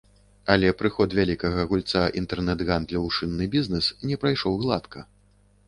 Але прыход вялікага гульца інтэрнэт-гандлю ў шынны бізнэс не прайшоў гладка.